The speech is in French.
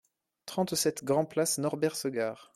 trente-sept grand-Place Norbert Segard